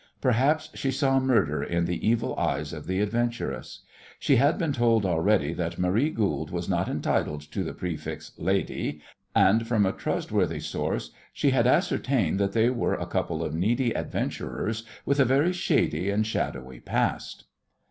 Perhaps she saw murder in the evil eyes of the adventuress. She had been told already that Marie Goold was not entitled to the prefix "Lady," and from a trustworthy source she had ascertained that they were a couple of needy adventurers with a very shady and shadowy past.